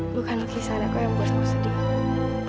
bukan lukisan aku yang bikin kamu sedih